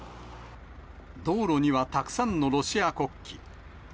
道路にはたくさんのロシア国旗。